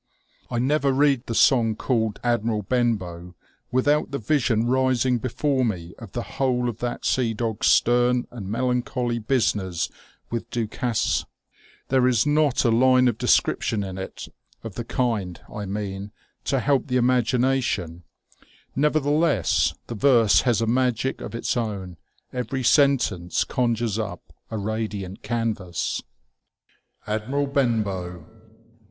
I never read the song called Admiral Benbow," without the vision rising before me of the whole of that sea dog's stern and melancholy business with Du Casse. There is not a line of description in it, of the kind, I mean, to help the imagination ; nevertheless the verse has a magic of its own, every sentence conjures up a radiant canvas :— "ADMIEAL BENBOW.